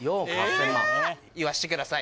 言わしてください。